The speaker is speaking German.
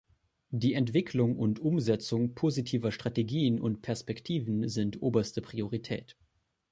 Die Entwicklung und Umsetzung positiver Strategien und Perspektiven sind oberste Priorität.